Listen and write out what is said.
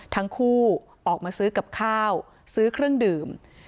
ทั้งคู่ออกมาซื้อกับข้าวซื้อเครื่องดื่ม